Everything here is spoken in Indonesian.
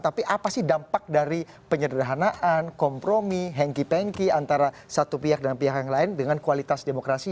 tapi apa sih dampak dari penyederhanaan kompromi hengki pengki antara satu pihak dan pihak yang lain dengan kualitas demokrasi